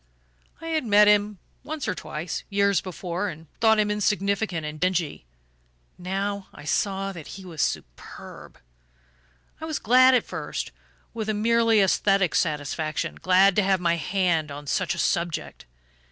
I had met him once or twice, years before, and thought him insignificant and dingy. Now I saw that he was superb. "I was glad at first, with a merely aesthetic satisfaction: glad to have my hand on such a 'subject.